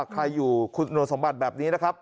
ใครอยู่คุณสมบัติแบบนี้นะครับ